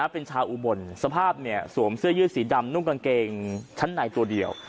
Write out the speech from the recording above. เป็นชาวอุบลสภาพสวมเสื้อยืดสีดำนุ่งกางเกงชั้นในตัวเดียว